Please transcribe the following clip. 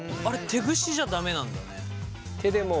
あれ手グシじゃ駄目なんだね。